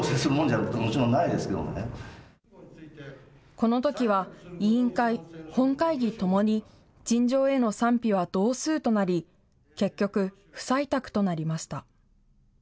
このときは委員会、本会議ともに、陳情への賛否は同数となり、結局、不採択となりました。